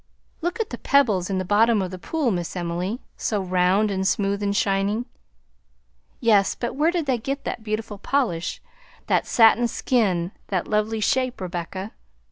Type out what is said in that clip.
Look at the pebbles in the bottom of the pool, Miss Emily, so round and smooth and shining." "Yes, but where did they get that beautiful polish, that satin skin, that lovely shape, Rebecca?